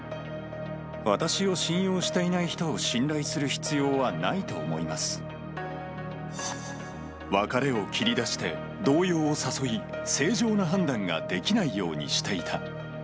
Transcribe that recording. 私を信用していない人を信頼別れを切り出して動揺を誘い、正常な判断ができないようにしていた。